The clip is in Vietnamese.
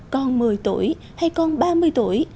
con một mươi tuổi hay con ba mươi tuổi